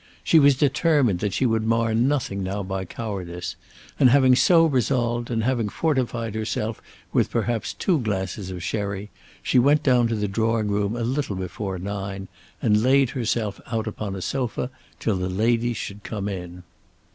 She was determined that she would mar nothing now by cowardice, and having so resolved, and having fortified herself with perhaps two glasses of sherry, she went down to the drawing room a little before nine, and laid herself out upon a sofa till the ladies should come in.